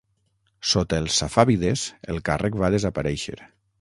Sota els safàvides el càrrec va desaparèixer.